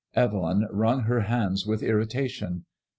Evelyn wrung her hands with irritation.